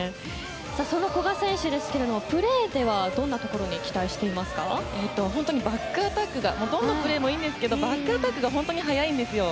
その古賀選手、プレーではどんなところにどのプレーもいいんですけどバックアタックが本当に速いんですよ。